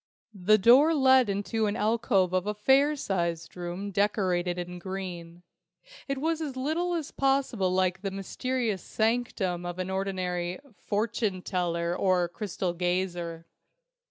The door led into an alcove of a fair sized room decorated in green. It was as little as possible like the mysterious sanctum of an ordinary "fortune teller" or crystal gazer.